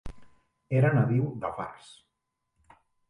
Era nadiu de Fars.